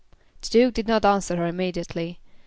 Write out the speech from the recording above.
The Duke did not answer her immediately.